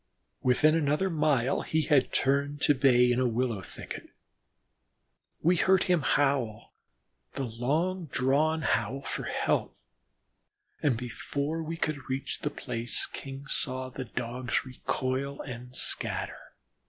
Within another mile he had turned to bay in a willow thicket. We heard him howl the long drawn howl for help, and before we could reach the place King saw the Dogs recoil and scatter.